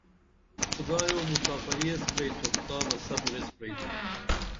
خدایو مسافری ایس پرئتُھپ تا بہ صبُر ایس پرئتُھپ